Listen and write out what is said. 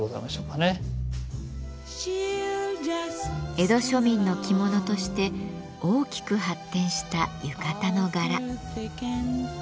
江戸庶民の着物として大きく発展した浴衣の柄。